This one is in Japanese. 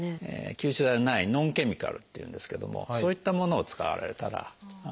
吸収剤のない「ノンケミカル」って言うんですけどもそういったものを使われたらかぶれないと思います。